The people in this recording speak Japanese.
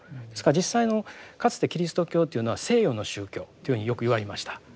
実際のかつてキリスト教というのは西洋の宗教というふうによく言われました。